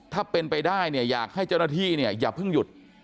ถ้าเป็นไปได้เนี่ยอยากให้เจ้าหน้าที่เนี่ยอย่าเพิ่งหยุด